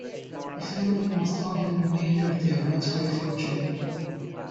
The family lost all that remained of their once great fortune.